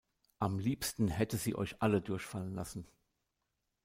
Am liebsten hätte sie euch alle durchfallen lassen.